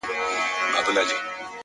ځوان لکه مړ چي وي؛